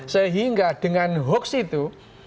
sehingga dengan hoax itu